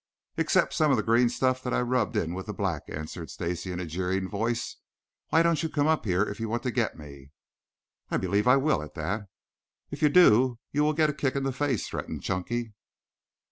"Except some of the green stuff that I rubbed in with the black," answered Stacy in a jeering voice. "Why don't you come up here if you want to get me?" "I believe I will, at that." "If you do, you will get a kick in the face," threatened Chunky.